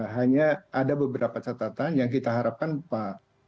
hanya ada beberapa catatan yang kita harapkan pak